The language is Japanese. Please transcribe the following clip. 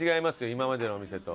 今までのお店と。